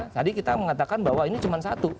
tadi kita mengatakan bahwa ini cuma satu